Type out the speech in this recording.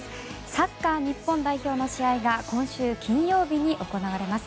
サッカー日本代表の試合が今週金曜日に行われます。